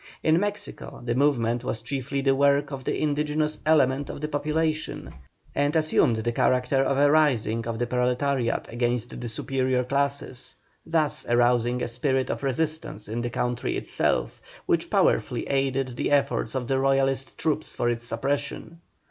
In Mexico the movement was chiefly the work of the indigenous element of the population, and assumed the character of a rising of the proletariat against the superior classes, thus arousing a spirit of resistance in the country itself, which powerfully aided the efforts of the Royalist troops for its suppression.